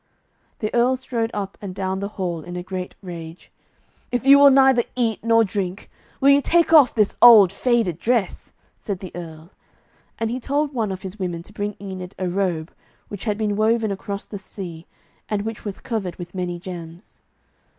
The Earl strode up and down the hall in a great rage. 'If you will neither eat nor drink, will you take off this old faded dress?' said the Earl. And he told one of his women to bring Enid a robe, which had been woven across the sea, and which was covered with many gems.